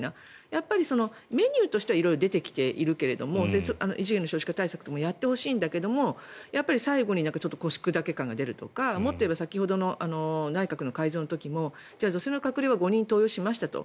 やっぱりメニューとしては色々出てきているけど異次元の少子化対策もやってほしいんだけど最後に腰砕け感が出るとかもっと言えば先ほどの内閣の改造の時もじゃあ女性の閣僚は５人登用しましたと。